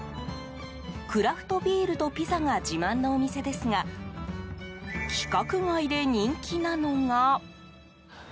クラフトビールとピザが自慢のお店ですが規格外で人気なのが。